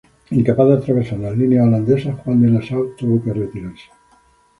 Incapaz de atravesar las líneas holandesas, Juan de Nassau hubo de retirarse.